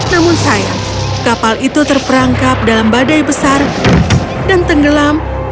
namun sayang kapal itu terperangkap dalam badai besar dan tenggelam